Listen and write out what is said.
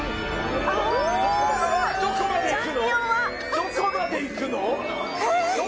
どこまでいくの？